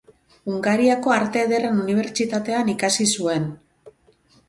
Hungariako Arte Ederren Unibertsitatean ikasi zuen.